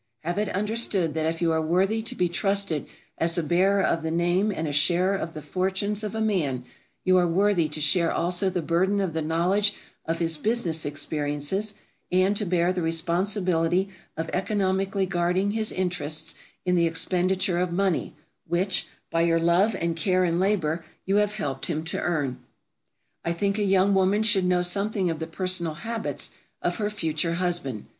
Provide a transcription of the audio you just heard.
Have it understood that if you are worthy to be trusted as a bearer of the name and a sharer of the fortunes of a man, you are worthy to share also the burden of the knowledge of his business experiences, and to bear the responsibility of economically guarding his interests in the expenditure of money which, by your love and care and labor, you have helped him to earn. I think a young woman should know something of the personal habits of her future husband.